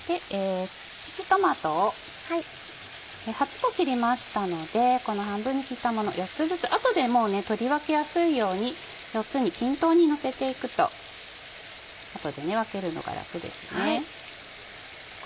プチトマトを８個切りましたのでこの半分に切ったものを４つずつあとで取り分けやすいように４つに均等にのせて行くとあとで分けるのが楽ですね。